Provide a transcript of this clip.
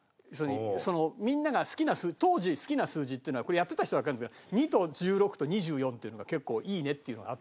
そのみんなが好きな数字当時好きな数字っていうのはこれやってた人はわかるんだけど２と１６と２４っていうのが結構いいねっていうのがあったの。